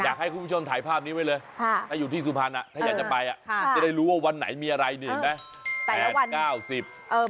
อยากให้คุณผู้ชมถ่ายภาพนี้ไว้เลยถ้าอยู่ที่สุพรรณถ้าอยากจะไปจะได้รู้ว่าวันไหนมีอะไรนี่เห็นไหม